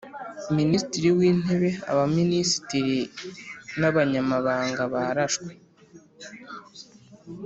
Miisititiri w Intebe Abaminisitiri na Abanyamabanga barashwe